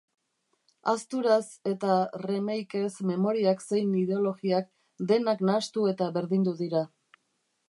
Ahazturaz eta remakez, memoriak zein ideologiak, denak nahastu eta berdindu dira.